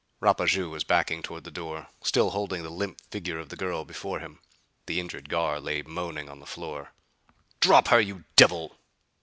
Rapaju was backing toward the door, still holding the limp figure of the girl before him. The injured guard lay moaning on the floor. "Drop her, you devil!"